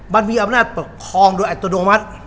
เมื่อมีอำนาจปกครองโดยโดยมารูมัส